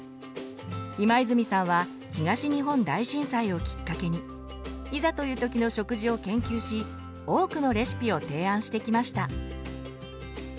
今泉さんは東日本大震災をきっかけにいざという時の食事を研究し多くのレシピを提案してきました。